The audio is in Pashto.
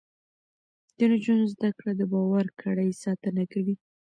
د نجونو زده کړه د باور کړۍ ساتنه کوي.